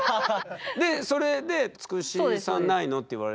でそれで「つくしさんないの？」って言われて？